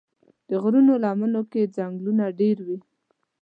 د غرونو لمنو کې ځنګلونه ډېر وي.